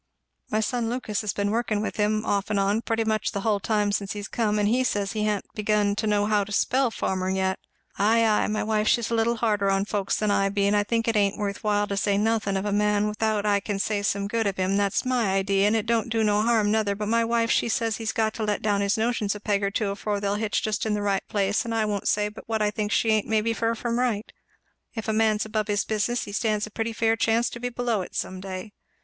"My son Lucas has been workin' with him, off and on, pretty much the hull time since he come; and he says he ha'n't begun to know how to spell farmer yet." "Ay, ay! My wife she's a little harder on folks than I be I think it ain't worth while to say nothin' of a man without I can say some good of him that's my idee and it don't do no harm, nother, but my wife, she says he's got to let down his notions a peg or two afore they'll hitch just in the right place; and I won't say but what I think she ain't maybe fur from right. If a man's above his business he stands a pretty fair chance to be below it some day.